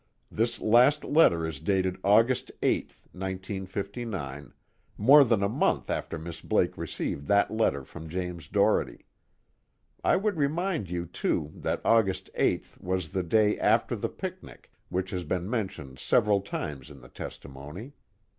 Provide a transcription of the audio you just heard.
This last letter is dated August 8th, 1959, more than a month after Miss Blake received that letter from James Doherty. I would remind you too that August 8th was the day after the picnic which has been mentioned several times in the testimony.